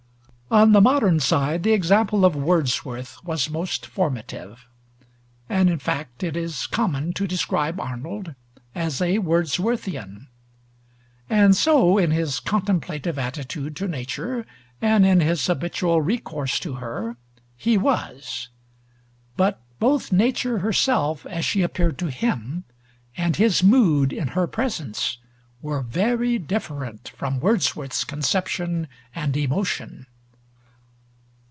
On the modern side the example of Wordsworth was most formative, and in fact it is common to describe Arnold as a Wordsworthian: and so, in his contemplative attitude to nature, and in his habitual recourse to her, he was; but both nature herself as she appeared to him, and his mood in her presence, were very different from Wordsworth's conception and emotion.